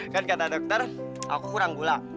kan kata dokter aku kurang gula